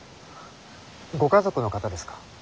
ご家族の方ですか？